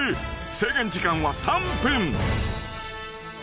［制限時間は３分］